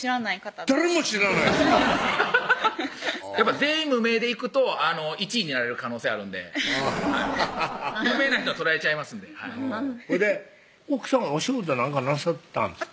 はい全員無名で行くと１位になれる可能性あるんでハハハッ有名な人は取られちゃいますんでほいで奥さまお仕事何かなさってたんですか？